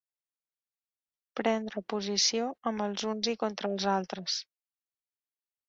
Prendre posició amb els uns i contra els altres.